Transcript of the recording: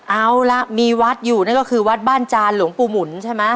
เอาละมีวัดอยู่นั่นก็คือวัดบ้านจานหลวงปู่หมุนใช่ไหม